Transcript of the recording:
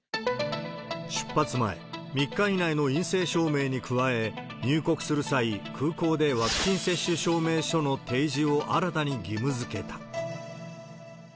出発前、３日以内の陰性証明に加え、入国する際、空港でワクチン接種証明書の提示を新たに義務づけた。